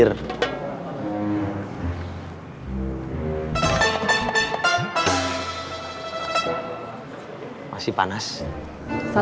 saya ingin mencoba